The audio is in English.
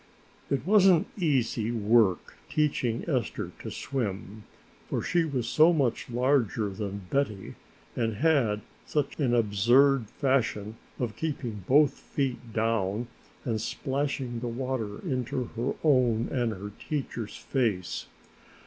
It wasn't easy work teaching Esther to swim, for she was so much larger than Betty and had such an absurd fashion of keeping both feet down and splashing the water into her own and her teacher's face.